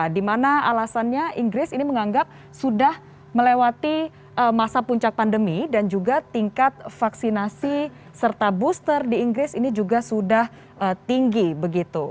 dimana alasannya inggris ini menganggap sudah melewati masa puncak pandemi dan juga tingkat vaksinasi serta booster di inggris ini juga sudah tinggi begitu